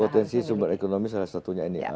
potensi sumber ekonomi salah satunya ini